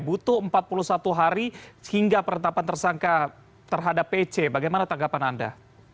butuh empat puluh satu hari hingga penetapan tersangka terhadap pc bagaimana tanggapan anda